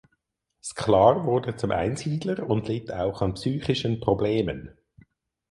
Sklar wurde zum Einsiedler und litt auch an psychischen Problemen.